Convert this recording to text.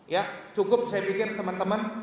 ya cukup saya pikir teman teman